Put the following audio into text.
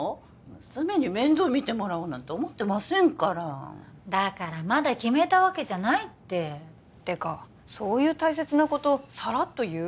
娘に面倒見てもらおうなんて思ってませんからだからまだ決めたわけじゃないっててかそういう大切なことさらっと言う？